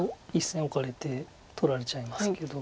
１線オカれて取られちゃいますけど。